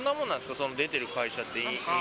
その出てる会社って。